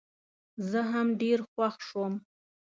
زه هم ډېر خوښ شوم.